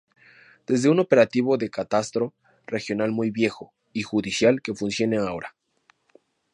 Desde un operativo de catastro regional muy viejo y judicial que funcione ahora.